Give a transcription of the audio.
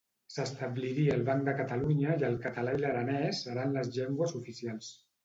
S'establiria el Banc de Catalunya i el català i l'aranès seran les llengües oficials.